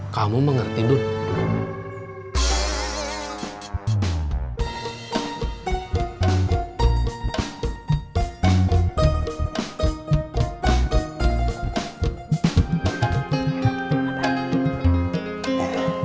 kamu mengerti duduk